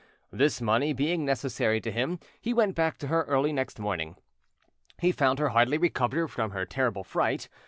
This money being necessary to him, he went back to her early next morning. He found her hardly recovered from her terrible fright.